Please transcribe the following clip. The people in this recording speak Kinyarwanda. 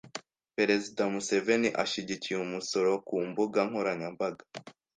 Perezida Museveni ashyigikiye umusoro ku mbuga nkoranyambaga